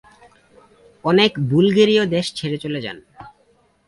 অনেক বুলগেরীয় দেশ ছেড়ে চলে যান।